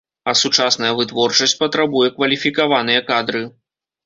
А сучасная вытворчасць патрабуе кваліфікаваныя кадры.